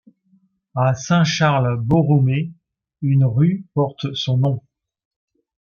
À Saint-Charles-Borromée, une rue porte son nom.